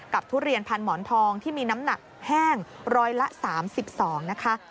ทุเรียนพันหมอนทองที่มีน้ำหนักแห้งร้อยละ๓๒นะคะ